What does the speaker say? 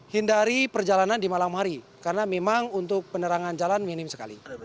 hindari perjalanan di malam hari karena memang untuk penerangan jalan minim sekali